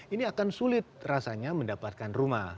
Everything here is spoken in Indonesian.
ini akan sulit rasanya mendapatkan rumah